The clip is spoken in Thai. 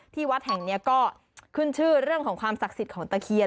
วัดแห่งนี้ก็ขึ้นชื่อเรื่องของความศักดิ์สิทธิ์ของตะเคียน